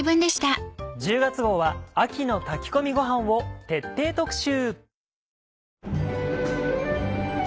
１０月号は秋の炊き込みごはんを徹底特集。